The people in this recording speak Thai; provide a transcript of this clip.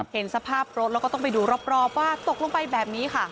เห็นสภาพรถแล้วก็ต้องไปดูรอบว่าตกลงไปแบบนี้ค่ะ